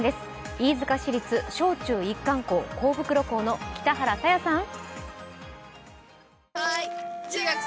飯塚市立小中一貫校幸袋校の北原彩羽さん。